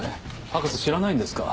博士知らないんですか？